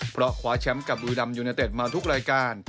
เพราะคว้าแชมป์กับบุรีรัมยูเนเต็ดมาทุกรายการ